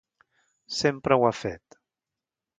Sempre ho ha fet.